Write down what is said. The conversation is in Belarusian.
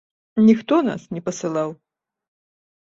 Ніхто нас не пасылаў.